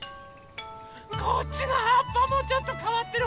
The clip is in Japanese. こっちのはっぱもちょっとかわってる！